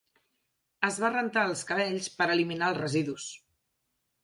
Es va rentar els cabells per eliminar els residus.